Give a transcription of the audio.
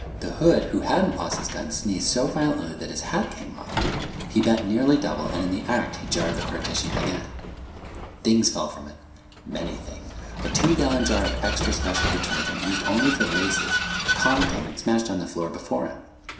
The hood who hadn't lost his gun sneezed so violently that his hat came off. He bent nearly double, and in the act he jarred the partition again. Things fell from it. Many things. A two gallon jar of extra special detergent, used only for laces, conked him and smashed on the floor before him.